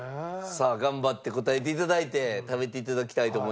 さあ頑張って答えていただいて食べていただきたいと思います。